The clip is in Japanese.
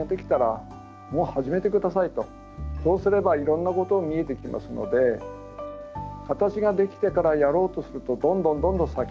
そうすればいろんなこと見えてきますので形ができてからやろうとするとどんどんどんどん先に延びてしまう。